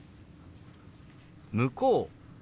「向こう」。